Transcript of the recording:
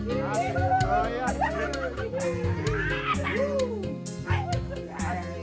jangan rasa ya jangan rasa ya